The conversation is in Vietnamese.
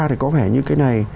thì có vẻ như cái này